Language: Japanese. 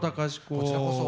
こちらこそ。